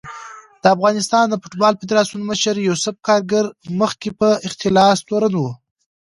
د افغانستان د فوټبال فدارسیون مشر یوسف کارګر مخکې په اختلاس تورن و